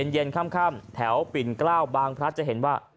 เย็นค่ำแถวปิ่นกล้าวบางพลัดจะเห็นว่า